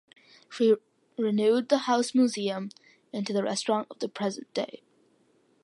She renewed the house museum into the restaurant of the present day.